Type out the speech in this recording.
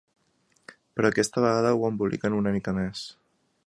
Però aquesta vegada ho emboliquen una mica més.